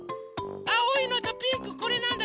あおいのとピンクこれなんだ？